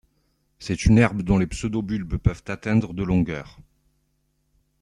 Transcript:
C'est une herbe dont les pseudobulbes peuvent atteindre de longueur.